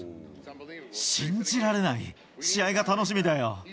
信じられない、試合が楽しみだよ。